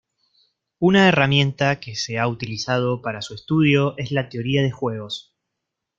Una herramienta que se ha utilizado para su estudio es la teoría de juegos.